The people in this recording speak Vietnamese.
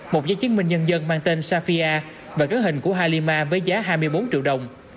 một giấy chứng minh nhân dân mang tên safia và ghế hình của halima với giá hai mươi bốn triệu đồng